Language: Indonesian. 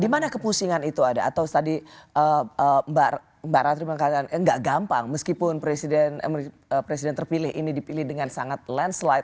dimana kepusingan itu ada atau tadi mbak ratri mengatakan nggak gampang meskipun presiden terpilih ini dipilih dengan sangat landslide